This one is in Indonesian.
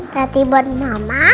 berarti buat mama